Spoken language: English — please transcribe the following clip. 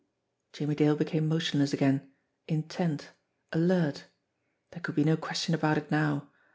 Jimmie Dale became motionless again, intent, alert. There could be no question about it now.